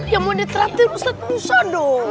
ya mau ditratir ustaz musa dong